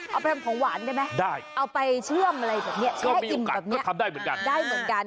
เอาไปทำของหวานได้ไหมเอาไปเชื่อมอะไรแบบนี้ใช้ให้อิ่มแบบนี้ได้เหมือนกัน